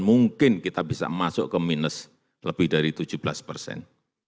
mungkin kita bisa masuk ke minus lebih dari tujuh belas persen